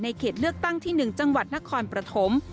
ในเขตเลือกตั้งที่หนึ่งจังหวัดนครประทธม